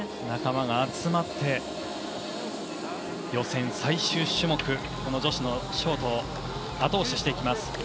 仲間が集まって予選最終種目女子のショートを後押ししていきます。